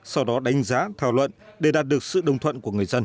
sau đó đánh giá thảo luận để đạt được sự đồng thuận của người dân